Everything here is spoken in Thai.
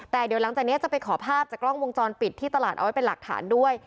แต่เดี๋ยวหลังจากนี้จะไปขอภาพจากกล้องวงจรปิดที่ตลาดเอาไว้เป็นหลักฐานด้วย